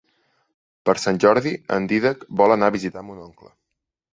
Per Sant Jordi en Dídac vol anar a visitar mon oncle.